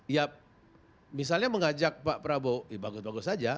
ya misalnya mengajak pak prabowo bagus bagus saja